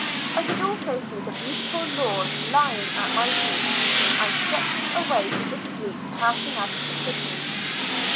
I could also see the beautiful lawn lying at my feet, and stretching away to the street passing out of the city.